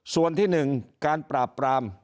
ส่วนที่หนึ่งการปราบปราม